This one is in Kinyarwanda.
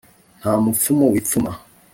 nta mupfumu wipfuma